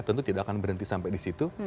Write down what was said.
tentu tidak akan berhenti sampai di situ